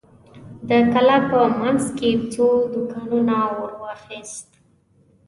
د کلا په مينځ کې څو دوکانونو اور واخيست.